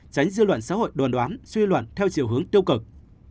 tránh dư luận xã hội đoàn đoán suy luận theo chiều hướng tiêu cực